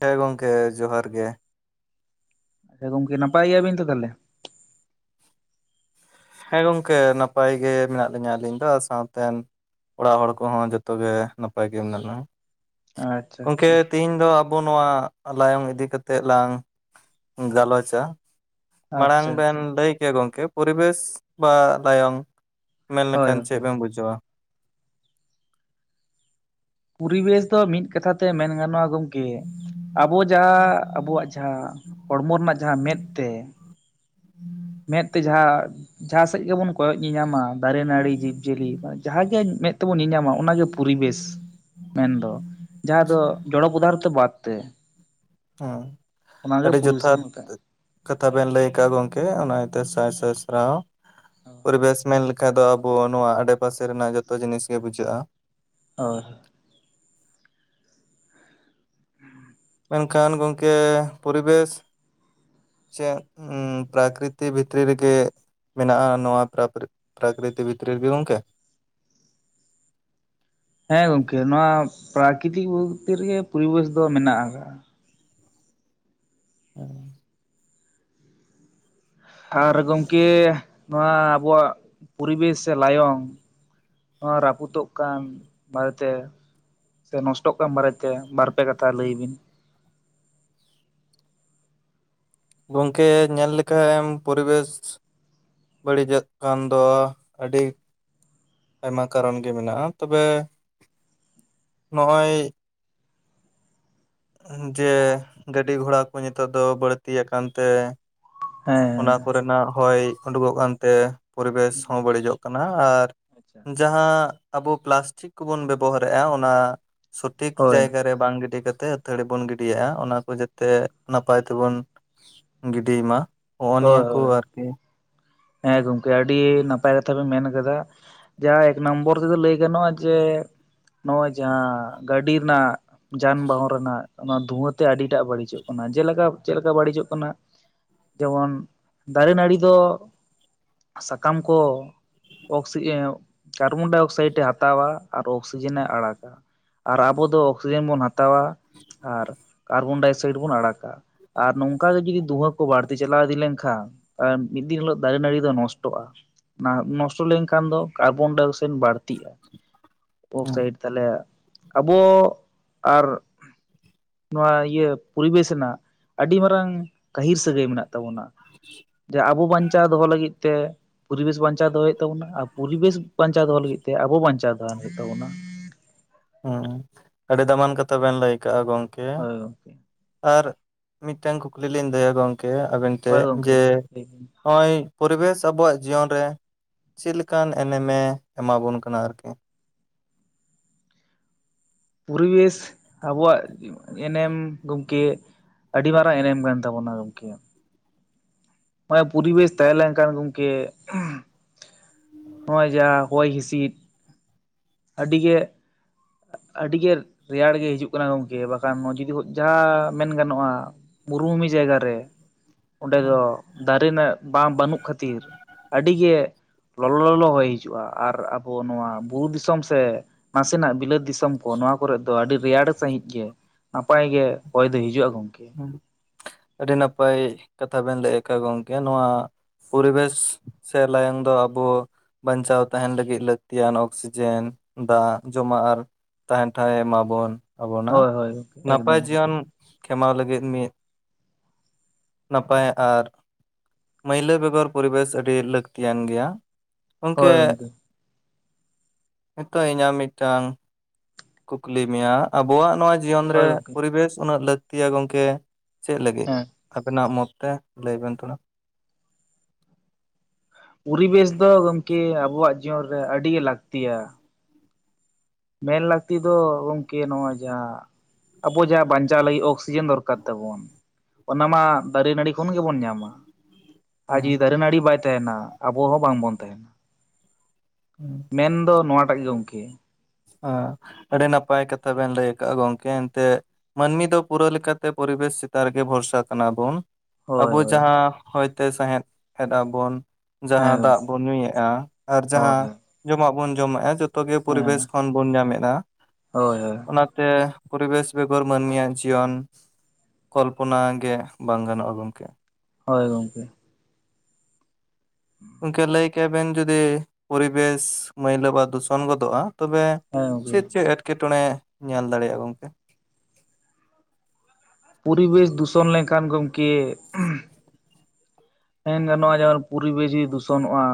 ᱦᱮᱸ ᱜᱚᱢᱠᱮ ᱡᱚᱦᱟᱨ ᱜᱮ᱾ ᱦᱮᱸ ᱜᱚᱢᱠᱮ ᱱᱟᱯᱟᱭ ᱜᱮᱭᱟᱵᱤᱱ ᱛᱚᱦᱚᱞᱮ? ᱦᱮᱸ ᱜᱚᱢᱠᱮ ᱱᱟᱯᱟᱭ ᱜᱮ ᱢᱮᱱᱟᱜ ᱞᱤᱧᱟᱹ ᱟᱹᱞᱤᱧ ᱫᱚ ᱥᱟᱶᱛᱮ ᱚᱲᱟᱜ ᱦᱚᱲ ᱠᱚᱦᱚᱸ ᱡᱚᱛᱚᱜᱮ ᱱᱟᱯᱟᱭ ᱜᱮ ᱢᱮᱱᱟᱜᱼᱟ᱾ ᱟᱪᱪᱷᱟ ᱜᱚᱝᱠᱮ ᱟᱪᱪᱷᱟ ᱛᱮᱦᱮᱧ ᱫᱚ ᱟᱵᱚ ᱱᱚᱣᱟ ᱞᱟᱭᱚᱝ ᱤᱫᱤ ᱠᱟᱛᱮᱜ ᱞᱟᱝ ᱜᱟᱞᱚᱪᱼᱟ᱾ ᱢᱟᱲᱟᱝ ᱟᱪᱪᱷᱟ ᱵᱮᱱ ᱟᱪᱪᱷᱟ ᱞᱟᱹᱭ ᱠᱮᱭᱟ ᱜᱚᱢᱠᱮ ᱯᱚᱨᱤᱵᱮᱥ ᱵᱟ ᱞᱟᱭᱚᱝ ᱢᱮᱱ ᱦᱳᱭ ᱞᱮᱠᱷᱟᱱ ᱪᱮᱫ ᱦᱳᱭ ᱵᱮᱱ ᱵᱩᱡᱷᱟᱹᱣᱟ? ᱯᱚᱨᱤᱵᱮᱥ ᱫᱚ ᱢᱤᱫ ᱠᱟᱛᱷᱟ ᱛᱮ ᱢᱮᱱ ᱜᱟᱱᱚᱜᱼᱟ ᱜᱚᱢᱠᱮ ᱟᱵᱚ ᱡᱟᱦᱟ ᱟᱵᱚᱣᱟᱜ ᱡᱟᱦᱟᱸ ᱦᱚᱲᱢᱚ ᱨᱮᱱᱟᱜ ᱡᱟᱦᱟᱸ ᱢᱮᱫ ᱛᱮ ᱢᱮᱸᱫ ᱛᱮ ᱡᱟᱦᱟᱸ ᱡᱟᱦᱟᱸᱥᱮᱫ ᱜᱮᱵᱚᱱ ᱠᱚᱭᱚᱜ ᱧᱮᱧᱟᱢᱟ ᱫᱟᱨᱮ ᱱᱟᱹᱲᱤ ᱡᱤᱵᱽ ᱡᱤᱭᱟᱹᱞᱤ ᱡᱟᱦᱟᱸ ᱜᱮ ᱢᱮᱫ ᱛᱮᱵᱚᱱ ᱧᱮᱧᱟᱢᱟ ᱚᱱᱟᱜᱮ ᱯᱚᱨᱤᱵᱮᱥ᱾ ᱢᱮᱱ ᱫᱚ ᱡᱟᱦᱟᱸ ᱫᱚ ᱡᱚᱲᱚ ᱯᱚᱫᱟᱨᱛᱷᱚ ᱵᱟᱫ ᱛᱮ᱾ ᱦᱮᱸ ᱚᱱᱟᱜᱮ ᱟᱹᱰᱤ ᱯᱚᱨᱤᱵᱮᱥ ᱡᱚᱛᱷᱟᱛ᱾ ᱵᱚᱱ ᱢᱮᱛᱟᱜᱼᱟ ᱠᱟᱛᱷᱟ ᱵᱮᱱ ᱞᱟᱹᱭ ᱟᱠᱟᱫᱼᱟ ᱜᱚᱝᱠᱮ ᱚᱱᱟ ᱤᱭᱟᱹᱛᱮ ᱥᱟᱭ ᱥᱟᱭ ᱥᱟᱨᱦᱟᱣ᱾ ᱚ ᱯᱚᱨᱤᱵᱮᱥ ᱢᱮᱱ ᱞᱮᱠᱷᱟᱱᱡ ᱫᱚ ᱟᱵᱚ ᱱᱚᱣᱟ ᱟᱰᱮᱯᱟᱥᱮ ᱨᱮᱱᱟᱜ ᱡᱚᱛᱚ ᱡᱤᱱᱤᱥ ᱜᱮ ᱵᱩᱡᱷᱟᱹᱜᱼᱟ᱾ ᱦᱳᱭ᱾ ᱢᱮᱱᱠᱷᱟᱱ ᱜᱚᱢᱠᱮ ᱯᱚᱨᱤᱵᱮᱥ ᱪᱮ ᱯᱨᱟᱠᱨᱤᱛᱤ ᱵᱷᱤᱛᱤᱨ ᱨᱮᱜᱮ ᱢᱮᱱᱟᱜᱼᱟ ᱱᱚᱣᱟ ᱯᱨᱟᱠᱨᱤᱛᱤ ᱵᱷᱤᱛᱨᱤ ᱨᱮᱜᱮ ᱜᱚᱝᱠᱮ᱾ ᱦᱮᱸ ᱜᱚᱢᱠᱮ ᱱᱚᱣᱟ ᱯᱨᱟᱠᱨᱤᱛᱤᱠ ᱵᱷᱤᱛᱨᱤ ᱨᱮᱜᱮ ᱯᱚᱨᱤᱵᱮᱥ ᱫᱚ ᱢᱮᱱᱟᱜ ᱟᱠᱟᱫᱟ᱾ ᱦᱮᱸ᱾ ᱟᱨ ᱜᱚᱢᱠᱮ ᱱᱚᱣᱟ ᱟᱵᱚᱣᱟᱜ ᱯᱚᱨᱤᱵᱮᱥ ᱥᱮ ᱞᱟᱭᱚᱝ ᱱᱚᱣᱟ ᱨᱟᱹᱯᱩᱫᱚᱜ ᱠᱟᱱ ᱵᱟᱨᱮᱛᱮ ᱥᱮ ᱱᱚᱥᱴᱚᱜ ᱠᱟᱱ ᱵᱟᱨᱮᱛᱮ ᱵᱟᱨ ᱯᱮ ᱠᱟᱛᱷᱟ ᱞᱟᱹᱭ ᱵᱤᱱ? ᱜᱚᱝᱠᱮ ᱧᱮᱞ ᱞᱮᱠᱷᱟᱱ ᱮᱢ ᱯᱚᱨᱤᱵᱮᱥ ᱵᱟᱹᱲᱤᱡᱚᱜ ᱠᱟᱱ ᱫᱚ ᱟᱹᱰᱤ ᱟᱭᱢᱟ ᱠᱟᱨᱚᱱ ᱜᱮ ᱢᱮᱱᱟᱜᱼᱟ ᱛᱚᱵᱮ ᱾ ᱱᱚᱜᱼᱚᱭ ᱡᱮ ᱜᱟᱹᱰᱤ ᱜᱷᱚᱲᱟ ᱠᱚ ᱱᱤᱛᱚᱜ ᱫᱚ ᱵᱟᱹᱲᱛᱤ ᱟᱠᱟᱱᱛᱮ᱾ [inaudible] ᱚᱱᱟ ᱠᱚᱨᱮᱱᱟᱜ ᱦᱚᱭ ᱩᱰᱩᱠᱚᱜ ᱠᱟᱱᱛᱮ᱾ ᱯᱚᱨᱮᱵᱮᱥ ᱦᱚᱸ ᱵᱟᱹᱲᱤᱡᱚᱜ ᱠᱟᱱᱟ ᱟᱨ ᱟᱪᱪᱷᱟ ᱾ ᱡᱟᱦᱟᱸ ᱟᱵᱚ ᱯᱞᱟᱥᱴᱤᱠ ᱠᱚᱵᱚᱱ, ᱵᱮᱵᱚᱦᱟᱨᱮᱼᱟ ᱚᱱᱟ᱾ ᱥᱚᱴᱷᱤᱠ ᱦᱳᱭ ᱡᱟᱭᱜᱟ ᱨᱮ ᱵᱟᱝ ᱜᱤᱰᱤ ᱠᱟ ᱠᱟᱛᱮ ᱛᱷᱟᱹᱲᱤ ᱵᱚᱱ ᱜᱤᱰᱤᱭᱟᱜᱼᱟ, ᱚᱱᱟ ᱠᱚ ᱡᱟᱛᱮ ᱱᱟᱯᱟᱭ ᱛᱮᱵᱚᱱ ᱜᱤᱰᱤᱭ ᱢᱟ ᱾ ᱦᱚᱜᱱᱤᱭᱟᱹ ᱦᱳᱭ ᱠᱚ ᱦᱳᱭ ᱟᱨᱠᱤ ᱾ ᱦᱮᱸ ᱜᱚᱝᱠᱮ ᱟᱹᱰᱤ ᱱᱟᱯᱟᱭ ᱠᱟᱛᱷᱟ ᱵᱤᱱ ᱢᱮᱱ ᱠᱟᱫᱟ᱾ ᱡᱟᱦᱟᱸ ᱮᱠ ᱱᱚᱢᱵᱚᱨ ᱛᱮᱫᱚ ᱞᱟᱹᱭ ᱜᱟᱱᱚᱜᱼᱟ, ᱡᱮ ᱱᱚᱜᱼᱚᱭ ᱡᱟᱦᱟᱸ ᱜᱟᱹᱰᱤ ᱨᱮᱱᱟᱜ ᱡᱟᱱᱵᱟᱦᱚᱱ ᱨᱮᱱᱟᱜ ᱚᱱᱟ ᱫᱷᱩᱦᱟᱹᱛᱮ ᱟᱹᱰᱤᱴᱟᱜ ᱵᱟᱹᱲᱤᱡᱚᱜ ᱠᱟᱱᱟ, ᱡᱮᱞᱮᱠᱟ ᱪᱮᱫ ᱞᱮᱠᱟ ᱵᱟᱹᱲᱤᱡᱚᱜ ᱠᱟᱱᱟ᱾ ᱡᱮᱢᱚᱱ ᱫᱟᱨᱮ ᱱᱟᱹᱲᱤ ᱫᱚ᱾ ᱥᱟᱠᱟᱢ ᱠᱚ ᱾ ᱚᱠᱥᱤ ᱮ ᱠᱟᱨᱵᱚᱱᱰᱟᱭ ᱚᱠᱥᱟᱭᱤᱰ ᱮ ᱦᱟᱛᱟᱣᱟ, ᱟᱨ ᱚᱠᱥᱤᱡᱮᱱᱮ ᱟᱲᱟᱜᱟ ᱾ ᱟᱨ ᱟᱵᱚ ᱫᱚ ᱚᱠᱥᱤᱡᱮᱱ ᱵᱚᱱ ᱦᱟᱛᱟᱣᱟ, ᱟᱨ ᱠᱟᱨᱵᱚᱱᱰᱟᱭ ᱚᱠᱥᱟᱭᱤᱰ ᱵᱚᱱ ᱟᱲᱟᱜᱟ ᱾ ᱟᱨ ᱱᱚᱝᱠᱟ ᱜᱮ, ᱡᱩᱚᱫᱤ ᱫᱷᱩᱦᱟᱹ ᱠᱚ ᱵᱟᱹᱲᱛᱤ ᱪᱟᱞᱟᱣ ᱤᱫᱤ ᱞᱮᱱᱠᱷᱟᱱ, ᱢᱤᱫ ᱫᱤᱱ ᱦᱤᱞᱳᱜ ᱫᱟᱨᱮ ᱱᱟᱹᱲᱤ ᱫᱚ ᱱᱚᱥᱴᱚᱜᱼᱟ, ᱟ ᱱᱚᱥᱴᱚ ᱞᱮᱱᱠᱷᱟᱱ ᱫᱚ ᱠᱟᱨᱵᱚᱱᱰᱟᱭ ᱚᱠᱥᱟᱭᱤᱰ ᱵᱟᱹᱲᱛᱤᱜᱼᱟ ᱾ ᱛᱤ, ᱦᱩᱸ ᱚᱠᱥᱟᱭᱤᱰ ᱛᱟᱦᱚᱞᱮ ᱟᱵᱚ ᱟᱨ ᱱᱚᱣᱟ ᱤᱭᱟᱹ ᱯᱚᱨᱤᱵᱮᱥ ᱨᱮᱱᱟᱜ, ᱟᱹᱰᱤ ᱢᱟᱨᱟᱝ ᱜᱟᱹᱦᱤᱨ ᱥᱟᱹᱜᱟᱹᱭ ᱢᱮᱱᱟᱜ ᱛᱟᱵᱚᱱᱟ᱾ ᱡᱮ ᱟᱵᱚ ᱵᱟᱧᱪᱟᱣ ᱫᱚᱦᱚ ᱞᱟᱹᱜᱤᱫ ᱛᱮ ᱯᱚᱨᱤᱵᱮᱥ ᱵᱟᱧᱪᱟᱣ ᱫᱚᱦᱚᱭ ᱦᱳᱭᱳᱜ ᱛᱟᱵᱚᱱᱟ᱾ ᱟᱨ ᱯᱚᱨᱤᱵᱮᱥ ᱵᱟᱧᱪᱟᱣ ᱫᱚᱦᱚ ᱞᱟᱹᱜᱤᱫ ᱛᱮ, ᱟᱵᱚ ᱵᱟᱧᱪᱟᱣ ᱛᱟᱦᱮᱱ ᱦᱳᱭᱳᱜ ᱛᱟᱵᱚᱱᱟ ᱾ ᱦᱚᱸ, ᱟᱹᱰᱤ ᱫᱟᱢᱟᱱ ᱠᱟᱛᱷᱟ ᱵᱮᱱ ᱞᱟᱹᱭ ᱠᱟᱜᱼᱟ ᱜᱚᱢᱠᱮ᱾ ᱦᱳᱭ ᱜᱚᱝᱠᱮ ᱟᱨ ᱢᱤᱫᱴᱮᱱ ᱠᱩᱠᱞᱤ ᱞᱤᱧ ᱞᱟᱹᱭᱟ, ᱜᱚᱢᱠᱮ ᱟᱵᱮᱱ ᱦᱳᱭ ᱴᱷᱮᱱ ᱜᱚᱝᱠᱮ ᱡᱮ ᱞᱟᱹᱭ ᱵᱤᱱ ᱦᱚᱜᱼᱚᱭ ᱯᱚᱨᱤᱵᱮᱥ ᱚᱵᱚᱣᱟᱜ ᱡᱤᱭᱚᱱ ᱨᱮ ᱪᱮᱫ ᱞᱮᱠᱟᱱ ᱮᱱᱮᱢᱮ ᱮᱢᱟᱵᱚᱱ ᱠᱟᱱᱟ ᱟᱨᱠᱤ᱾ ᱯᱚᱨᱤᱵᱮᱥ ᱟᱵᱚᱣᱟᱜ᱾ ᱮᱱᱮᱢ ᱜᱚᱝᱠᱮ, ᱟᱹᱰᱤ ᱢᱟᱨᱟᱝ ᱮᱱᱮᱢ ᱠᱟᱱ ᱛᱟᱵᱚᱱᱟ ᱜᱚᱢᱠᱮ ᱾ ᱢᱟᱱᱮ ᱯᱚᱨᱤᱵᱮᱥ ᱛᱟᱦᱮᱸ ᱞᱮᱱᱠᱷᱟᱱ, ᱜᱚᱝᱠᱮ ᱦᱚᱜᱼᱚᱭ ᱡᱟᱸᱦᱟ ᱦᱚᱭ ᱦᱤᱸᱥᱤᱫ᱾ ᱟᱹᱰᱤ ᱜᱮ ᱟᱹᱰᱤᱜᱮ ᱨᱮᱭᱟᱲ ᱜᱮ ᱦᱤᱡᱩᱜ ᱠᱟᱱᱟ ᱜᱚᱝᱠᱮ, ᱵᱟᱠᱷᱟᱱ ᱡᱩᱫᱤ ᱡᱟᱦᱟᱸ ᱢᱮᱱ ᱜᱟᱱᱚᱜᱼᱟ᱾ ᱢᱩᱨᱩᱵᱷᱩᱢᱤ ᱡᱟᱭᱜᱟᱟ ᱨᱮ ᱚᱸᱰᱮ ᱫᱚ, ᱫᱟᱨᱮ ᱱᱟᱜ ᱵᱟᱝ ᱵᱟᱹᱱᱩᱜ ᱠᱷᱟᱹᱛᱤᱨ ᱟᱹᱰᱤ ᱜᱮ ᱞᱚᱞᱚ ᱞᱚᱞᱚ ᱦᱚᱭ ᱦᱤᱡᱩᱜᱼᱟ, ᱟᱨ ᱟᱵᱚ ᱱᱚᱣᱟ ᱵᱩᱨᱩ ᱫᱤᱥᱚᱢ ᱥᱮ ᱱᱟᱥᱮᱱᱟᱜ ᱾ ᱫᱤᱥᱚᱢ ᱠᱚ ᱱᱚᱣᱟ ᱠᱚᱨᱮᱫ ᱫᱚ, ᱟᱹᱰᱤ ᱨᱮᱭᱟᱲ ᱥᱟᱺᱦᱤᱡ ᱜᱮ, ᱱᱟᱯᱟᱭ ᱜᱮ ᱦᱚᱭ ᱫᱚ ᱦᱤᱡᱩᱜᱼᱟ ᱜᱚᱝᱠᱮ ᱾ ᱦᱩ, ᱟᱹᱰᱤ ᱱᱟᱯᱟᱭ ᱠᱟᱛᱷᱟ ᱵᱮᱱ ᱞᱟᱹᱭ ᱠᱟᱜᱼᱟ, ᱜᱚᱝᱠᱮ ᱱᱚᱣᱟ᱾ ᱯᱚᱨᱤᱵᱮᱥ ᱥᱮ ᱞᱟᱭᱚᱝ ᱫᱚ ᱟᱵᱚ ᱵᱟᱧᱪᱟᱣ ᱛᱟᱦᱮᱱ ᱞᱟᱹᱜᱤᱫ, ᱞᱟᱹᱠᱛᱤᱭᱟᱱ ᱚᱠᱥᱤᱡᱮᱱ ᱫᱟᱜ ᱡᱚᱢᱟᱜ, ᱟᱨ ᱛᱟᱦᱮᱱ ᱴᱷᱟᱶ ᱮᱢᱟᱵᱚᱱ ᱟᱵᱚᱱᱟᱜ ᱦᱳᱭ ᱦᱳᱭ ᱜᱚᱝᱠᱮ ᱮᱠᱫᱚᱢ ᱱᱟᱯᱟᱭ ᱜᱚᱝᱠᱮ ᱡᱤᱭᱚᱱ᱾ ᱠᱷᱮᱢᱟᱣ ᱞᱟᱹᱜᱤᱫ ᱢᱤᱫ, ᱱᱟᱯᱟᱭ ᱟᱨ ᱢᱟᱹᱭᱞᱟᱹ ᱵᱮᱜᱚᱨ ᱯᱚᱨᱤᱵᱮᱥ ᱟᱹᱰᱤ, ᱞᱟᱹᱠᱛᱤᱭᱟᱱ ᱜᱮᱭᱟ, ᱜᱚᱝᱠᱮ ᱱᱤᱛᱚᱜ ᱤᱧᱟᱹᱜ ᱢᱤᱫᱴᱟᱝ ᱠᱩᱠᱞᱤ ᱢᱮᱭᱟ, ᱟᱵᱚᱣᱟᱜ ᱱᱚᱣᱟ ᱡᱤᱭᱚᱱ ᱨᱮ, ᱦᱳᱭ ᱜᱚᱝᱠᱮ ᱯᱚᱨᱤᱵᱮᱥ ᱩᱱᱟᱹᱜ ᱞᱟᱹᱠᱛᱤᱭᱟ ᱜᱚᱝᱠᱮ? ᱪᱮᱜ ᱞᱟᱹᱜᱤᱫ ᱦᱮᱸ ᱟᱵᱮᱱᱟᱜ ᱢᱚᱛ ᱛᱮ, ᱞᱟᱹᱭ ᱵᱮᱱ ᱛᱷᱚᱲᱟ? ᱯᱚᱨᱤᱵᱮᱥ ᱫᱚ ᱜᱚᱝᱠᱮ ᱟᱵᱚᱣᱟᱜ ᱡᱤᱭᱚᱱ ᱨᱮ, ᱟᱹᱰᱤᱜᱮ ᱞᱟᱹᱠᱛᱤᱭᱟ᱾ ᱢᱮᱱ ᱞᱟᱹᱠᱛᱤ ᱫᱚ ᱜᱚᱝᱠᱮ ᱱᱚᱜᱼᱚᱭ᱾ ᱡᱟᱦᱟ, ᱟᱵᱚ ᱡᱟᱦᱟᱸ ᱵᱟᱧᱪᱟᱣ ᱞᱟᱹᱜᱤᱜ ᱚᱠᱥᱤᱡᱮᱱ ᱫᱚᱨᱠᱟᱨ ᱛᱟᱵᱚᱱ᱾ ᱚᱱᱟ ᱢᱟ, ᱫᱟᱨᱮ ᱱᱟᱹᱲᱤ ᱠᱷᱚᱱ ᱜᱮᱵᱚᱱ ᱧᱟᱢᱟ᱾ ᱟᱨ ᱦᱩᱸ ᱡᱩᱫᱤ ᱫᱟᱨᱮ ᱱᱟᱹᱲᱤ ᱵᱟᱭ ᱛᱟᱦᱮᱱᱟ ᱟᱵᱚ ᱦᱚᱸ ᱵᱟᱝ ᱵᱚᱱ ᱛᱟᱦᱮᱱᱟ ᱾ ᱦᱩᱸ ᱾ ᱢᱮᱱ ᱫᱚ ᱱᱚᱣᱟᱴᱟᱜ ᱜᱮ ᱜᱚᱝᱠᱮ ᱾ ᱦᱮᱸ, ᱟᱹᱰᱤ ᱱᱟᱯᱟᱭ ᱠᱟᱛᱷᱟ ᱵᱮᱱ ᱞᱟᱹᱭ ᱠᱟᱜᱼᱟ ᱜᱚᱝᱠᱮ ᱮᱱᱛᱮᱜ ᱾ ᱢᱟᱱᱢᱤ ᱫᱚ ᱯᱩᱨᱟᱹ ᱞᱮᱠᱟᱛᱮ ᱯᱚᱨᱤᱵᱮᱥ ᱪᱮᱛᱟᱱ ᱨᱮᱜᱮ ᱵᱷᱚᱨᱥᱟ ᱠᱟᱱᱟ ᱵᱚᱱ ᱾ ᱟᱵᱚ ᱦᱳᱭ ᱦᱳᱭ ᱡᱟᱦᱟᱸ ᱦᱚᱭᱛᱮ ᱥᱟᱦᱮᱫ ᱮᱫᱟ ᱵᱚᱱ ᱦᱮᱸ ᱡᱟᱦᱟᱸ ᱫᱟᱜ ᱜᱚᱢᱠᱮ ᱵᱚᱱ ᱧᱩᱭᱮᱜᱼᱟ ᱟᱨ ᱦᱳᱭ ᱡᱟᱦᱟᱸ ᱦᱳᱭ ᱡᱚᱢᱟᱜ ᱵᱚᱱ ᱡᱚᱢᱮᱜᱼᱟ ᱡᱚᱛᱚ ᱜᱮ ᱦᱮᱸ ᱯᱚᱨᱤᱵᱮᱥ ᱠᱷᱚᱱ ᱵᱚᱱ ᱧᱟᱢ ᱮᱫᱼᱟ ᱾ ᱦᱳᱭ ᱦᱳᱭ ᱾ ᱛᱮ ᱯᱚᱨᱵᱮᱥ ᱵᱮᱜᱚᱨ ᱢᱟᱹᱱᱢᱤᱭᱟᱜ ᱡᱤᱭᱚᱱ ᱠᱚᱞᱯᱚᱱᱟ ᱜᱮ ᱵᱟᱝ ᱜᱟᱱᱚᱜᱼᱟ ᱜᱚᱝᱠᱮ ᱾ ᱦᱳᱭ ᱜᱚᱝᱠᱮ ᱾ ᱜᱚᱝᱠᱮ ᱞᱟᱹᱭ ᱠᱮᱜᱼᱟ ᱵᱮᱱ ᱡᱩᱫᱤ ᱯᱚᱨᱤᱵᱮᱥ ᱢᱟᱹᱭᱞᱟᱹ ᱵᱟ ᱫᱩᱥᱚᱱ ᱜᱚᱫᱚᱜᱼᱟ ᱛᱚᱵᱮ ᱦᱮᱸ ᱜᱚᱢᱠᱮ ᱪᱮᱫ ᱪᱮᱫ ᱮᱴᱠᱮᱴᱚᱬᱮ ᱧᱮᱞ ᱫᱟᱲᱮᱭᱟᱜᱼᱟ ᱜᱚᱝᱠᱮ? ᱯᱚᱨᱤᱵᱮᱥ ᱫᱩᱥᱚᱱ ᱞᱮᱱᱠᱷᱟᱱ ᱜᱚᱢᱠᱮ ᱢᱮᱱ ᱜᱟᱱᱚᱜᱼᱟ ᱡᱮᱢᱚᱱ ᱯᱚᱨᱤᱵᱮᱥ ᱡᱩᱫᱤ ᱫᱩᱥᱚᱱᱚᱜᱼᱟ,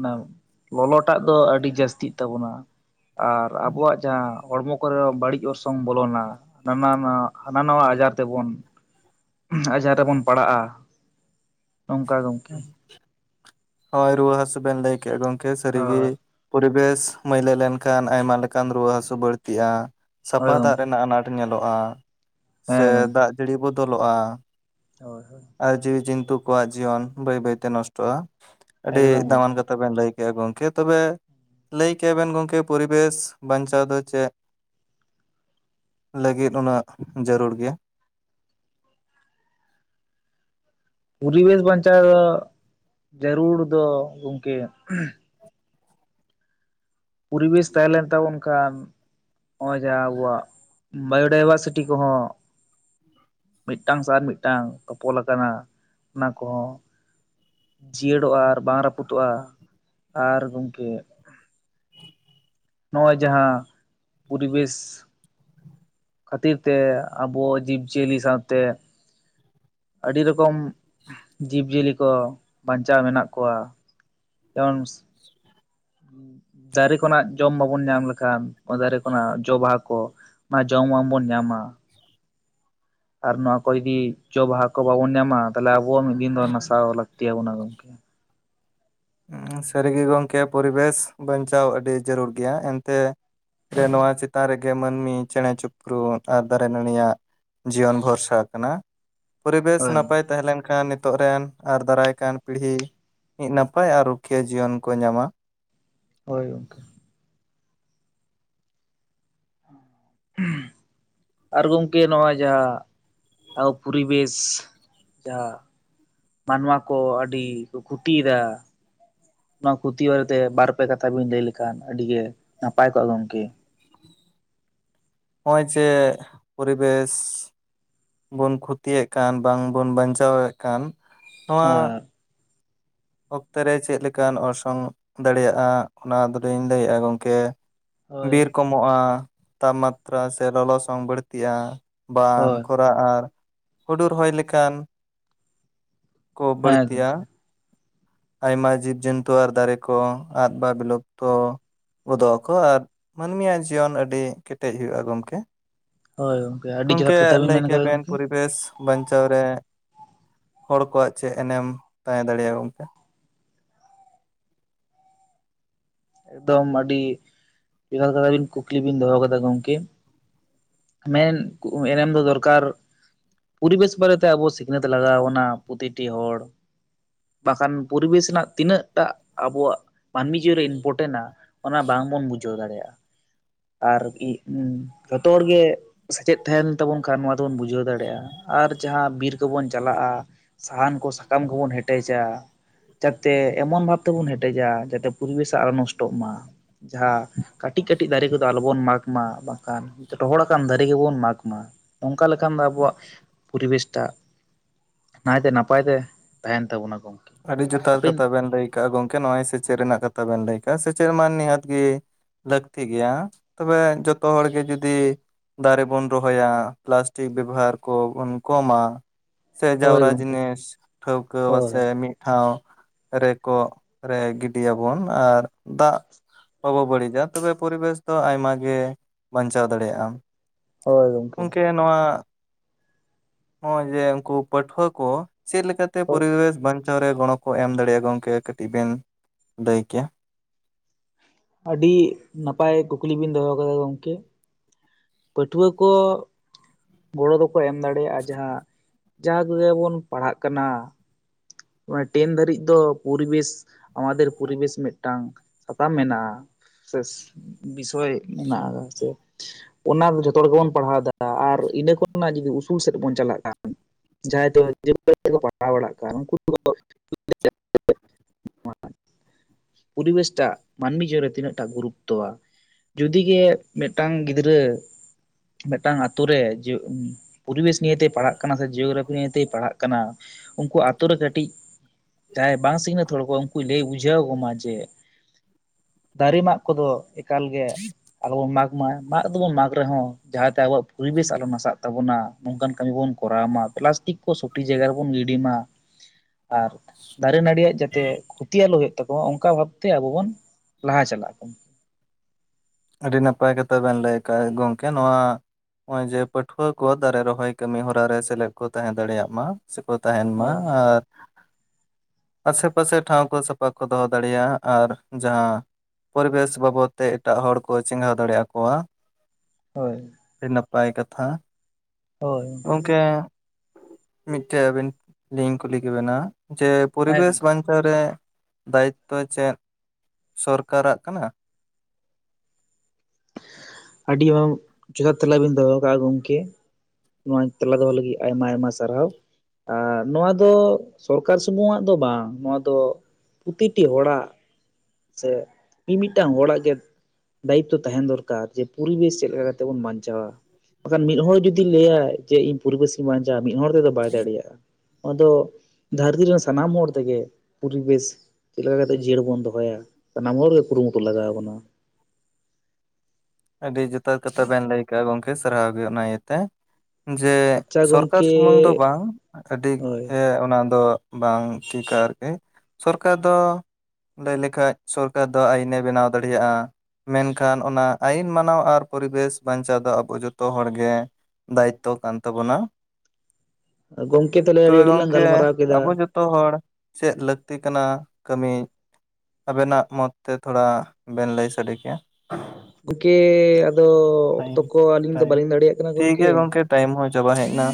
[inaudible] ᱞᱚᱞᱚᱴᱟᱜ ᱫᱚ ᱟᱹᱰᱤ ᱡᱟᱹᱥᱛᱤᱜ ᱛᱟᱵᱚᱱᱟ ᱟᱨ ᱟᱵᱚᱣᱟᱜ ᱡᱟᱦᱟᱸ ᱦᱚᱲᱢᱚ ᱠᱚᱨᱮ ᱨᱚ ᱵᱟᱹᱲᱤᱡ ᱚᱨᱥᱚᱝ ᱵᱚᱞᱚᱱᱟ ᱾ ᱱᱟᱱᱟ ᱱᱟᱜ ᱦᱟᱱᱟ ᱱᱟᱣᱟ ᱟᱡᱟᱨ ᱛᱮᱵᱚᱱ ᱟᱡᱟᱨ ᱨᱮᱵᱚᱱ ᱯᱟᱲᱟᱜᱼᱟ ᱾ ᱱᱚᱝᱠᱟ ᱜᱚᱝ ᱦᱩᱸ, ᱦᱚᱭ ᱨᱩᱣᱟ ᱦᱟᱥᱩ ᱵᱮᱱ ᱞᱟᱹᱭ ᱠᱮᱜᱼᱟ ᱜᱚᱝᱠᱮ ᱥᱟᱹᱨᱤᱜᱤ ᱦᱳᱭ ᱯᱚᱨᱤᱵᱮᱥ ᱢᱟᱹᱭᱞᱟᱹ ᱞᱮᱱᱠᱷᱟᱱ ᱟᱭᱢᱟ ᱞᱮᱠᱟᱱ ᱨᱩᱣᱟᱹ ᱦᱟᱹᱥᱩ ᱵᱟᱹᱲᱛᱤᱜᱼᱟ, ᱦᱳᱭ ᱥᱟᱯᱷᱟ ᱫᱟᱜ ᱜᱚᱢᱠᱮ ᱨᱮᱱᱟᱜ ᱟᱱᱟᱴ ᱧᱮᱞᱚᱜᱼᱟ ᱦᱮᱸ ᱥᱮ ᱜᱚᱢᱠᱮ ᱫᱟᱜ ᱡᱟᱹᱲᱤ ᱵᱚᱫᱚᱞᱚᱜᱼᱟ ᱾ ᱦᱳᱭ ᱦᱳᱭ ᱾ ᱟᱨ ᱡᱤᱣᱤ ᱡᱤᱱᱛᱩ ᱠᱚᱣᱟᱜ ᱡᱤᱭᱚᱱ ᱵᱟᱹᱭ ᱵᱟᱹᱭ ᱛᱮ ᱱᱚᱥᱴᱚᱜᱼᱟ, ᱟᱹᱰᱤ ᱮᱠᱫᱚᱢ ᱫᱟᱢᱟᱱ ᱜᱚᱝᱠᱮ ᱠᱟᱛᱷᱟ ᱵᱮᱱ ᱞᱟᱹᱭ ᱠᱮᱭᱟ ᱜᱚᱝᱠᱮ ᱛᱚᱵᱮ ᱞᱟᱹᱭ ᱠᱮᱭᱟᱵᱮᱱ ᱜᱚᱝᱠᱮ ᱯᱚᱨᱤᱵᱮᱥ ᱵᱟᱧᱪᱟᱣ ᱫᱚ ᱪᱮᱫ ᱞᱟᱹᱜᱤᱫ ᱩᱱᱟᱹᱜ ᱡᱟᱹᱨᱩᱲ ᱜᱮᱭᱟ? ᱯᱚᱨᱤᱵᱮᱥ ᱵᱟᱧᱪᱟᱣ ᱫᱚ ᱡᱟᱹᱨᱩᱲ ᱫᱚ ᱜᱚᱝᱠᱮ ᱯᱚᱨᱤᱵᱮᱥ ᱛᱟᱦᱮᱸ ᱞᱮᱱ ᱛᱟᱵᱚᱱ ᱠᱷᱟᱱ ᱦᱚᱜᱼᱚᱭ ᱡᱟᱦᱟ ᱟᱵᱚᱣᱟᱜ ᱵᱟᱭᱳᱰᱟᱭᱵᱷᱟᱨᱥᱤᱴᱤ ᱠᱚᱦᱚᱸ ᱢᱤᱫᱴᱟᱝ ᱥᱟ ᱟᱨ ᱢᱤᱫᱴᱟᱝ ᱛᱚᱯᱚᱞ ᱟᱠᱟᱱᱟ ᱚᱱᱟ ᱠᱚᱦᱚᱸ ᱡᱤᱭᱟᱹᱲᱚᱜᱼᱟ ᱟᱨ ᱵᱟᱝ ᱨᱟᱹᱯᱩᱛᱚᱜᱼᱟ ᱾ ᱟᱨ ᱜᱚᱝᱠᱮ ᱱᱚᱜᱼᱚᱭ ᱡᱟᱦᱟᱸ ᱯᱚᱨᱤᱵᱮᱥ ᱠᱷᱟᱹᱛᱤᱨ ᱛᱮ ᱟᱵᱚ ᱡᱤᱵᱽᱼᱡᱤᱭᱟᱹᱞᱤ ᱥᱟᱶᱛᱮ ᱟᱹᱰᱤ ᱨᱚᱠᱚᱢ ᱡᱤᱵᱽ ᱡᱤᱭᱟᱹᱞᱤ ᱠᱚ ᱵᱟᱧᱪᱟᱣ ᱢᱮᱱᱟᱜ ᱠᱚᱣᱟ ᱾ ᱪᱟᱱᱥ ᱫᱟᱨᱮ ᱠᱷᱚᱱᱟᱜ ᱡᱚᱢ ᱵᱟᱵᱚᱱ ᱧᱟᱢ ᱞᱮᱠᱷᱟᱱ ᱚ ᱫᱟᱨᱮ ᱠᱷᱚᱱᱟᱜ ᱡᱚ ᱵᱟᱦᱟ ᱠᱚ ᱚᱱᱟ ᱡᱚᱢᱟᱢ ᱵᱚᱱ ᱧᱟᱢᱟ ᱾ ᱟᱨ ᱱᱚᱣᱟ ᱠᱚ ᱡᱩᱫᱤ ᱡᱚ ᱵᱟᱦᱟ ᱠᱚ ᱵᱟᱵᱚᱱ ᱧᱟᱢᱟ ᱛᱟᱦᱚᱞᱮ ᱟᱵᱚᱣᱟᱜ ᱢᱤᱫ ᱫᱤᱱ ᱫᱚ ᱱᱟᱥᱟᱣ ᱞᱟᱹᱠᱛᱤᱭᱟ ᱵᱚᱱᱟ ᱜᱚᱝᱠᱮ ᱾ ᱦᱩᱸ ᱥᱟᱹᱨᱤᱜᱮ ᱜᱚᱝᱠᱮ ᱯᱚᱨᱤᱵᱮᱥ ᱵᱟᱧᱪᱟᱣ ᱟᱹᱰᱤ ᱡᱟᱨᱩᱲ ᱜᱮᱭᱟ, ᱮᱱᱛᱮ ᱜᱮ ᱱᱚᱣᱟ ᱪᱮᱛᱟᱨ ᱨᱮᱜᱮ ᱢᱟᱱᱢᱤ ᱪᱮᱬᱮ ᱪᱩᱯᱨᱩᱫ ᱟᱨ ᱫᱟᱨᱮ ᱱᱟᱬᱤᱭᱟᱜ ᱡᱤᱭᱚᱱ ᱵᱷᱚᱨᱥᱟ ᱠᱟᱱᱟ ᱾ ᱯᱚᱨᱤᱵᱮᱥ ᱦᱳᱭ ᱱᱟᱯᱟᱭ ᱛᱟᱦᱮᱸ ᱞᱮᱱᱠᱷᱟᱱ ᱱᱤᱛᱚᱜ ᱨᱮᱱ ᱟᱨ ᱫᱟᱨᱟᱭ ᱠᱟᱱ ᱯᱤᱲᱦᱤ ᱢᱤᱫ ᱱᱟ ᱯᱟᱭ ᱟᱨ ᱨᱩᱠᱷᱤᱭᱟᱹ ᱡᱤᱭᱚᱱ ᱠᱚ ᱧᱟᱢᱟ᱾ ᱦᱳᱭ ᱜᱚᱝᱠᱮ᱾ [unintelligible] ᱟᱨ ᱜᱚᱝᱠᱮ ᱱᱚᱜᱚᱭ ᱡᱟᱦᱟᱸ ᱟᱸ ᱯᱩᱨᱤᱵᱮᱥ ᱡᱟᱦᱟᱸᱼᱼ ᱢᱟᱱᱣᱟ ᱠᱚ ᱟᱹᱰᱤ ᱠᱚ ᱠᱷᱩᱛᱤᱭᱮᱫᱟ᱾ ᱱᱚᱣᱟ ᱠᱷᱩᱚᱛᱤ ᱵᱟᱨᱮᱛᱮ ᱵᱟᱨᱯᱮ ᱠᱟᱛᱷᱟ ᱵᱤᱱ ᱞᱟᱹᱭ ᱞᱮᱠᱷᱟᱱ ᱟᱹᱰᱤ ᱜᱮ ᱱᱟᱯᱟᱭ ᱠᱚᱜᱼᱟ᱾ ᱜᱚᱝᱠᱮ᱾ ᱦᱚᱜᱼᱚᱭ ᱡᱮ ᱯᱚᱨᱤᱵᱮᱥ ᱵᱚᱱ ᱠᱷᱚᱛᱤᱭᱮᱫ ᱠᱟᱱ ᱵᱟᱝᱵᱚᱱ ᱵᱟᱧᱪᱟᱣᱮᱫ ᱠᱟᱱ ᱱᱚᱣᱟᱼᱼ ᱦᱳᱭ ᱚᱠᱛᱮ ᱨᱮ ᱪᱮᱫ ᱞᱮᱠᱟᱱ ᱚᱨᱥᱚᱝ ᱫᱟᱲᱮᱭᱟᱜᱼᱟ᱾ ᱚᱱᱟ ᱫᱚᱞᱤᱧ ᱞᱟᱹᱭᱮᱜᱼᱟ᱾ ᱜᱚᱝᱠᱮᱼᱼ ᱦᱳᱭ ᱵᱤᱨ ᱜᱚᱝᱠᱮ ᱠᱚᱢᱚᱜᱼᱟ᱾ ᱛᱟᱢ ᱢᱟᱛᱨᱟ ᱥᱮ ᱞᱚᱞᱚᱥᱚᱝ ᱵᱟᱹᱲᱛᱤᱜᱼᱟ ᱵᱟᱸ ᱦᱳᱭ ᱠᱷᱼᱼ ᱵᱟ ᱟᱨ ᱦᱩᱰᱩᱨ ᱦᱚᱭ ᱞᱮᱱᱠᱟᱱ ᱼᱼ ᱠᱚ ᱦᱮᱸ ᱵᱟᱹᱲᱛᱤᱜ ᱼᱟ᱾ ᱜᱚᱝᱠᱮ ᱟᱭᱢᱟ ᱡᱤᱵ ᱡᱩᱱᱛᱩ ᱟᱨ ᱫᱟᱨᱮ ᱠᱚ ᱟᱫ [unintelligible] ᱜᱚᱫᱚᱜ ᱟᱠᱚ, ᱟᱨ ᱢᱟᱹᱱᱢᱤᱭᱟᱜ ᱡᱤᱭᱚᱱ ᱟᱹᱰᱤ ᱠᱮᱴᱮᱡ ᱦᱩᱭᱩᱜᱼᱟ᱾ ᱜᱚᱢᱠᱮ᱾ ᱦᱳᱭ ᱟᱹᱰᱤ ᱜᱚᱝᱠᱮ ᱡᱚᱛᱷᱟᱛ ᱠᱟᱛᱷᱟ ᱵᱤᱱ ᱢᱮᱱ ᱞᱟᱹᱭᱠᱮᱜᱼᱟ ᱠᱟᱫᱟ ᱵᱮᱱ ᱜᱚᱝᱠᱮ ᱯᱚᱨᱤᱵᱮᱥᱼᱼ ᱵᱟᱧᱪᱟᱣ ᱨᱮ ᱦᱚᱲ ᱠᱚᱣᱟᱜ ᱪᱮᱫ ᱮᱱᱮᱢ ᱛᱟᱦᱮᱸ ᱫᱟᱲᱮᱭᱟᱜ ᱜᱚᱝᱠᱮ? ᱮᱠᱫᱚᱢ ᱟᱹᱰᱤ [unintelligible] ᱠᱩᱠᱞᱤ ᱵᱤᱱ ᱫᱚᱦᱚ ᱠᱟᱫᱟ ᱜᱚᱝᱠᱮ᱾ ᱢᱮᱱ ᱮᱱᱮᱢ ᱫᱚ ᱫᱚᱨᱠᱟᱨᱼᱼ ᱯᱩᱨᱤᱵᱮᱥ ᱵᱟᱨᱮᱛᱮ ᱟᱵᱚ ᱥᱤᱠᱷᱱᱟᱹᱛ ᱞᱟᱜᱟᱣ ᱵᱚᱱᱟ ᱯᱩᱛᱤᱴᱤ ᱦᱚᱲ᱾ ᱵᱟᱠᱷᱟᱱ ᱯᱚᱨᱤᱵᱮᱥ ᱨᱮᱱᱟᱜ ᱛᱤᱱᱟᱹᱜ ᱴᱟᱜ ᱟᱵᱚᱣᱟᱜ ᱢᱟᱹᱱᱢᱤ ᱡᱤᱭᱚᱱ ᱨᱮ ᱤᱱᱯᱚᱼᱼ ᱴᱮᱱᱟ ᱚᱱᱟ ᱵᱟᱝᱵᱚᱱ ᱵᱩᱡᱷᱟᱹᱣ ᱫᱟᱲᱮᱭᱟᱜᱼᱟ᱾ ᱟᱨ ᱤᱜ ᱡᱚᱛᱚ ᱦᱚᱲ ᱜᱮᱼᱼᱼ ᱥᱮᱪᱮᱫ ᱛᱟᱦᱮᱱ ᱛᱟᱵᱚᱱ ᱠᱷᱟᱱ ᱱᱚᱣᱟ ᱫᱚᱵᱚᱱ ᱵᱩᱡᱷᱟᱹᱣ ᱫᱟᱲᱮᱭᱟᱜᱼᱟ᱾ ᱟᱨ ᱡᱟᱦᱟᱸ ᱵᱤᱨ ᱠᱚᱵᱚᱱ ᱪᱟᱞᱟᱜᱼᱟᱼᱼ ᱥᱟᱦᱟᱱ, ᱠᱚ ᱥᱟᱠᱟᱢ, ᱠᱚᱵᱚᱱ ᱦᱮᱴᱮᱡᱼᱟ᱾ ᱡᱟᱛᱮ ᱮᱢᱚᱱ ᱵᱷᱟᱵ ᱛᱮᱵᱚᱱ ᱦᱮᱴᱮᱡᱼᱟ᱾ ᱡᱟᱛᱮ ᱯᱚᱨᱤᱵᱮᱥ ᱟᱨᱚ ᱱᱚᱥᱴᱚᱜ ᱢᱟ᱾ ᱡᱟᱦᱟᱸ ᱠᱟᱹᱴᱤᱡ ᱠᱟᱹᱴᱤᱡ ᱫᱟᱨᱮ ᱠᱚᱫᱚ ᱟᱞᱚᱵᱚᱱ ᱢᱟᱜᱽ ᱢᱟ ᱵᱟᱝᱠᱷᱟᱱᱼᱼ ᱨᱚᱦᱚᱲ ᱟᱠᱟᱱ ᱫᱟᱨᱮ ᱜᱮᱵᱚᱱ ᱢᱟᱜᱽ ᱢᱟ ᱚᱝᱠᱟ ᱞᱮᱠᱷᱟᱱ ᱫᱚ ᱟᱵᱚᱣᱟᱜ ᱯᱚᱨᱤᱵᱮᱥ ᱴᱟᱜᱼᱼ ᱱᱟᱭᱛᱮ ᱱᱟᱯᱟᱭ ᱛᱮ ᱛᱟᱦᱮᱱ ᱛᱟᱵᱚᱱᱟ ᱠᱚ ᱟᱹᱰᱤ ᱡᱚᱛᱷᱟᱛ ᱠᱟᱛᱷᱟ ᱵᱮᱱ ᱞᱟᱹᱭ ᱠᱟᱜᱼᱟ᱾ ᱜᱚᱝᱠᱮ ᱱᱚᱜᱚᱭ ᱥᱮᱪᱮᱫ ᱨᱮᱱᱟᱜ ᱠᱟᱛᱷᱟ ᱵᱮᱱ ᱞᱟᱹᱭ ᱠᱟᱜᱼᱟ᱾ ᱥᱮᱪᱮᱫ ᱨᱮ ᱢᱟ ᱱᱤᱦᱟᱹᱛ ᱜᱤᱼᱼ ᱞᱟᱹᱠᱛᱤ ᱜᱮᱭᱟ ᱛᱚᱵᱮ ᱡᱚᱛᱚ ᱦᱚᱲ ᱜᱮ ᱡᱩᱫᱤᱼᱼᱼ ᱫᱟᱨᱮ ᱵᱚᱱ ᱨᱚᱦᱚᱭᱟ ᱯᱞᱟᱥᱴᱤᱠ ᱵᱮᱵᱚᱦᱟᱨ ᱠᱚᱵᱚᱱ ᱠᱚᱢᱟᱼᱼᱼ ᱥᱮ ᱦᱳᱭ ᱡᱟᱣᱨᱟ ᱜᱚᱝᱠᱮ ᱡᱤᱱᱤᱥ ᱴᱷᱟᱹᱣᱠᱟᱹ ᱦᱳᱭ ᱣᱥᱮ ᱢᱤᱫᱼᱼ ᱴᱷᱟᱶ ᱨᱮᱠᱚ ᱨᱮ ᱜᱤᱰᱤᱭᱟᱵᱚᱱ ᱟᱨ ᱫᱟᱜᱼᱼ ᱵᱟᱵᱚ ᱵᱟᱹᱲᱤᱡᱟ ᱛᱚᱵᱮ ᱯᱚᱨᱤᱵᱮᱥ ᱫᱚ ᱟᱭᱢᱟ ᱜᱮ ᱵᱟᱧᱪᱟᱣ ᱫᱟᱲᱮᱭᱟᱜᱼᱟᱢ᱾ ᱦᱳᱭ ᱜᱚᱝᱠᱮ ᱾ ᱱᱚᱣᱟ ᱱᱚᱜᱚᱭ ᱡᱮ ᱩᱝᱠᱩ ᱯᱟᱹᱴᱷᱩᱣᱟᱹ ᱠᱚᱼᱼᱼ ᱪᱮᱫ ᱞᱮᱠᱟᱛᱮ ᱦᱳᱭ ᱯᱚᱨᱤᱵᱮᱥ ᱵᱟᱧᱪᱟᱣ ᱨᱮ ᱜᱚᱲᱚ ᱠᱚ ᱮᱢ ᱫᱟᱲᱮᱭᱟᱜᱼᱟ᱾ ᱜᱚᱝᱠᱮ ᱠᱟᱹᱴᱤᱡ ᱵᱮᱱ ᱞᱟᱹᱭ ᱠᱮᱭᱟ᱾ ᱟᱹᱰᱤ ᱱᱟᱯᱟᱭ ᱠᱩᱠᱞᱤ ᱵᱤᱱ ᱫᱚᱦᱚ ᱠᱟᱫᱟ ᱜᱚᱝᱠᱮ᱾ ᱯᱟᱹᱴᱷᱩᱣᱟᱹ ᱠᱚ᱾ ᱜᱚᱲᱚ ᱫᱚᱠᱚ ᱮᱢ ᱫᱟᱲᱮᱭᱟᱜᱼᱟ᱾ ᱡᱟᱦᱟᱸ ᱡᱟᱦᱟᱸ ᱵᱚᱱ ᱯᱟᱲᱦᱟᱜ ᱠᱟᱱᱟ᱾ ᱢᱟᱱᱮ ᱴᱮᱱ ᱫᱷᱟᱹᱨᱤᱡ ᱫᱚ ᱯᱚᱨᱤᱵᱮᱥ ᱟᱢᱟᱫᱮᱨ ᱯᱚᱨᱤᱵᱮᱥ ᱢᱤᱫᱴᱟᱝ ᱥᱟᱛᱟᱢ ᱢᱮᱱᱟᱜᱼᱟ᱾ ᱥᱮ ᱵᱤᱥᱚᱭ ᱢᱮᱱᱟᱜ [unintelligible] ᱚᱱᱟ ᱫᱚ ᱡᱷᱚᱛᱚ ᱦᱚᱲ ᱜᱮᱵᱚᱱ ᱯᱟᱲᱦᱟᱣ ᱫᱟ ᱟᱨ ᱤᱱᱟᱹ ᱠᱷᱚᱱᱟᱜ ᱡᱩᱫᱤ ᱩᱥᱩᱞ ᱥᱮᱫ ᱵᱚᱱ ᱪᱟᱞᱟᱜ ᱠᱷᱟᱱ ᱼᱼ ᱡᱟᱦᱟᱸᱭ ᱫᱚ [unintelligible] ᱛᱮᱠᱚ ᱯᱟᱲᱦᱟᱣ ᱵᱟᱲᱟᱜ ᱠᱟᱱ ᱩᱱᱠᱩ ᱫᱚᱠᱚ [unintelligible] [inaudible] ᱯᱩᱨᱤᱵᱮᱥ ᱴᱟᱜ ᱢᱟᱹᱱᱢᱤ ᱡᱤᱭᱚᱱ ᱨᱮ ᱛᱤᱱᱟᱹᱜᱴᱟᱜ ᱜᱩᱨᱩᱜᱛᱚᱣᱟ᱾ ᱡᱩᱫᱤ ᱜᱮ ᱢᱮᱴᱟᱝ ᱜᱤᱫᱽᱨᱟᱹᱼᱼ ᱢᱤᱫᱴᱟᱝ ᱟᱛᱳ ᱨᱮ ᱡᱮ ᱯᱚᱨᱤᱵᱮᱥ ᱱᱤᱭᱮᱛᱮᱭ ᱯᱟᱲᱦᱟᱜ ᱠᱟᱱᱟ ᱥᱮ ᱡᱤᱭᱳᱜᱨᱟᱯᱷᱤ ᱱᱤᱭᱮᱛᱮᱭ ᱯᱟᱲᱦᱟᱜ ᱠᱟᱱᱟ᱾ ᱠᱟᱱᱟ ᱩᱱᱠᱩ ᱨᱮ ᱠᱟᱹᱴᱤᱡ ᱡᱟᱦᱟᱸᱭ ᱵᱟᱝ ᱥᱤᱠᱷᱱᱟᱹᱛ ᱦᱚᱲ ᱠᱚ ᱩᱱᱠᱩ ᱞᱟᱹᱭ ᱵᱩᱡᱷᱟᱹᱣ ᱠᱚ ᱢᱟ ᱡᱮ᱾ ᱫᱟᱨᱮ ᱢᱟᱜ ᱠᱚᱫᱚ ᱮᱠᱟᱞ ᱜᱮ ᱟᱞᱟ ᱵᱚ ᱢᱟᱜᱽ᱾ ᱢᱟᱜᱽ ᱫᱚᱵᱚᱱ ᱢᱟᱜᱽ ᱨᱮᱦᱚᱸ ᱡᱟᱦᱟᱸᱛᱮ ᱟᱵᱚᱣᱟᱜ ᱯᱚᱨᱤᱵᱮᱥ ᱟᱞᱚ ᱱᱟᱥᱟᱜ ᱛᱟᱵᱚᱱᱟ ᱱᱚᱝᱠᱟᱱ ᱠᱟᱹᱢᱤ ᱵᱚᱱ ᱠᱚᱨᱟᱣ ᱢᱟ ᱯᱞᱟᱥ, ᱛᱤᱠ ᱠᱚ ᱥᱚᱴᱤᱠ ᱡᱟᱭᱜᱟ ᱨᱮᱵᱚᱱ ᱜᱤᱰᱤ ᱢᱟ ᱟᱨ ᱫᱟᱨᱮ ᱱᱟᱹᱲᱤᱭᱟᱜ ᱡᱟᱛᱮ ᱠᱷᱚᱛᱤ ᱟᱞᱚ ᱦᱩᱭᱩᱜ, ᱛᱟᱠᱣᱟ ᱚᱱᱠᱟ ᱵᱷᱟᱵᱛᱮ ᱟᱵᱚ ᱵᱚᱱ ᱞᱟᱦᱟ ᱪᱟᱞᱟᱜᱼᱟ ᱠᱟᱱᱟ, ᱟᱹᱰᱤ ᱱᱟᱯᱟᱭ ᱠᱟᱛᱷᱟ ᱵᱮᱱ ᱞᱟᱹᱭ ᱟᱠᱟᱜ ᱜᱚᱢᱠᱮ ᱱᱚᱣᱟ, ᱱᱚᱜ ᱚᱭ ᱡᱮ ᱯᱟᱹᱴᱷᱩᱣᱟᱹ ᱠᱚ ᱫᱟᱨᱮ ᱨᱚᱦᱚᱭ ᱠᱟᱹᱢᱤ ᱦᱚᱨᱟ ᱨᱮ ᱥᱮᱞᱮᱫ ᱠᱚ ᱛᱟᱦᱮᱸ ᱫᱟᱲᱮᱭᱟᱜ ᱢᱟ, ᱥᱮᱠᱚ ᱛᱟᱦᱮᱸᱱ ᱢᱟ ᱦᱳᱭ ᱟᱨ᱾ ᱟᱥᱮ ᱯᱟᱥᱮ ᱴᱷᱟᱶ ᱠᱚ ᱥᱟᱯᱟ ᱠᱚ ᱫᱚᱦᱚ ᱫᱟᱲᱮᱭᱟᱜᱼᱟ ᱟᱨ ᱡᱟᱦᱟᱸ᱾ ᱯᱚᱨᱤᱵᱮᱥ ᱵᱟᱵᱚᱫ ᱛᱮ ᱮᱴᱟᱜ ᱦᱚᱲ ᱠᱚ ᱪᱮᱸᱜᱷᱟᱣ ᱫᱟᱲᱮ ᱣᱟᱠᱚᱣᱟ᱾ ᱦᱳᱭ, ᱟᱹᱰᱤ ᱱᱟᱯᱟᱭ ᱠᱟᱛᱷᱟ᱾ ᱦᱳᱭ᱾ ᱜᱚᱝᱠᱮ ᱢᱤᱫᱴᱮᱡ ᱟᱵᱮᱱ ᱞᱤᱧ ᱠᱩᱞᱤ ᱠᱮᱵᱱᱟ ᱡᱮ ᱦᱮᱸ ᱯᱚᱨᱤᱵᱮᱥ ᱜᱚᱝᱠᱮ ᱵᱟᱧ ᱨᱮ ᱫᱟᱭᱤᱛᱚ ᱪᱮᱫ ᱥᱚᱨᱠᱟᱨᱟᱜ ᱠᱟᱱᱟ᱾ ᱟᱹᱰᱤ ᱦᱚᱸ ᱡᱚᱛᱷᱟᱛ ᱛᱮᱞᱟ ᱵᱤᱱ ᱫᱚᱦᱚ ᱟᱠᱟᱜᱼᱟ ᱜᱚᱝᱠᱮ᱾ ᱱᱚᱣᱟ ᱛᱮᱞᱟ ᱫᱚᱦᱚ ᱞᱟᱹᱜᱤᱫ ᱟᱭᱢᱟ ᱟᱭᱢᱟ ᱥᱟᱨᱦᱟᱣ᱾ ᱟᱨ ᱱᱚᱣᱟ ᱫᱚ ᱥᱚᱨᱠᱟᱨ ᱥᱩᱢᱩᱝᱟᱜ ᱫᱚ ᱵᱟᱝ ᱱᱚᱣᱟ ᱫᱚ ᱯᱨᱚᱛᱤᱴᱤ ᱦᱚᱲᱟᱜ᱾ ᱥᱮ ᱢᱤᱢᱤᱫᱴᱟᱝ ᱦᱚᱲᱟᱜ ᱜᱮ, ᱫᱟᱭᱤᱛᱚ ᱛᱟᱦᱮᱱ ᱫᱚᱨᱠᱟᱨ ᱡᱮ ᱯᱚᱨᱤᱵᱮᱥ ᱪᱮᱫ ᱞᱮᱠᱟ ᱠᱟᱛᱮᱫ ᱵᱚᱱ ᱵᱟᱧᱪᱟᱣᱟ᱾ ᱵᱟᱠᱷᱟᱱ ᱢᱤᱫ ᱦᱚᱲ ᱡᱩᱫᱤ ᱞᱟᱹᱭᱟᱭ ᱡᱮ ᱤᱧ ᱯᱚᱨᱤᱵᱮᱥ ᱤᱧ ᱵᱟᱧᱪᱟ ᱢᱤᱫ ᱦᱚᱲ ᱛᱮᱫᱚ ᱵᱟᱭ ᱫᱟᱲᱮᱭᱟᱜᱼᱟ᱾ ᱟᱫᱚ᱾ ᱫᱷᱟᱹᱨᱛᱤ ᱨᱮᱱ ᱥᱟᱱᱟᱢ ᱦᱚᱲ ᱛᱮᱜᱮ ᱯᱚᱨᱤᱵᱮᱥ ᱪᱮᱫ ᱞᱮᱠᱟ ᱠᱟᱛᱮᱜ ᱡᱤᱭᱟᱹᱲ ᱵᱚᱱ ᱫᱚᱦᱚᱭᱟ᱾ ᱥᱟᱱᱟᱢ ᱦᱚᱲᱜᱮ ᱠᱩᱨᱩᱢᱩᱴᱩ ᱞᱟᱜᱟᱣ ᱟᱵᱚᱱᱟ᱾ ᱟᱹᱰᱤ ᱡᱚᱛᱷᱟᱛ ᱠᱟᱛᱷᱟ ᱵᱮᱱ ᱞᱟᱹᱭ ᱠᱟᱜᱼᱟ ᱜᱚᱝᱠᱮ ᱥᱟᱨᱦᱟᱣ ᱜᱮ ᱚᱱᱟ ᱤᱭᱟᱹᱛᱮ᱾ ᱡᱮ ᱟᱪᱪᱷᱟ ᱥᱚᱨᱠᱟᱨ ᱜᱚᱝᱠᱮ ᱥᱩᱢᱩᱝ ᱫᱚ ᱵᱟᱝ ᱟᱹᱰᱤ ᱦᱳᱭ ᱚᱱᱟ ᱫᱚ᱾ ᱵᱟᱝ ᱴᱷᱤᱠᱟ ᱟᱨᱠᱤ ᱥᱚᱨᱠᱟᱨ ᱫᱚ᱾ ᱞᱟᱹᱭ ᱞᱮᱠᱷᱟ ᱥᱚᱨᱠᱟᱨ ᱫᱚ ᱟᱭᱤᱱᱮ ᱵᱮᱱᱟᱣ ᱫᱟᱲᱮᱭᱟᱜ ᱢᱮᱱᱠᱟᱷᱟᱱ ᱚᱱᱟ᱾ ᱟᱹᱭᱤᱱ ᱢᱟᱱᱟᱣ ᱟᱨ ᱯᱚᱨᱤᱵᱮᱥ ᱵᱟᱧᱪᱟᱣ ᱫᱚ ᱟᱵᱚ ᱡᱚᱛᱚ ᱦᱚᱲ ᱜᱮ ᱫᱟᱭᱤᱛᱛᱚ ᱠᱟᱱ ᱛᱟᱵᱚᱱᱟ᱾ ᱜᱚᱝᱠᱮ ᱛᱟᱦᱚᱞᱮ ᱟᱹᱰᱤ ᱛᱚᱵᱮ ᱟᱹᱰᱤ ᱞᱟᱝ ᱜᱚᱝᱠᱮ ᱜᱟᱞᱢᱟᱨᱟᱣ ᱠᱮᱫᱟ ᱟᱵᱚ ᱡᱚᱛᱚ᱾ ᱡᱚᱛᱚ ᱦᱚᱲ ᱪᱮᱫ ᱞᱟᱹᱠᱛᱤ ᱠᱟᱱᱟ ᱠᱟᱹᱢᱤ᱾ ᱟᱵᱮᱱᱟᱜ ᱢᱚᱛ ᱛᱮ ᱛᱷᱚᱲᱟ ᱵᱮᱱ ᱞᱟᱹᱭ ᱥᱟᱰᱮ ᱠᱮᱭᱟ᱾ ᱜᱚᱝᱠᱮ ᱟᱫᱚ ᱚᱠᱛᱚ ᱴᱟᱭᱤᱢ ᱠᱚ ᱟᱹᱞᱤᱧ ᱫᱚ ᱴᱟᱭᱤᱢ ᱵᱟᱞᱤᱧ ᱫᱟᱲᱮᱭᱟᱜ ᱠᱟᱱᱟ ᱴᱷᱤᱠ ᱜᱚᱝᱠᱮ, ᱜᱮᱭᱟ ᱴᱟᱭᱤᱢ ᱦᱚᱸ ᱪᱟᱵᱟ ᱦᱮᱡ ᱮᱱᱟ,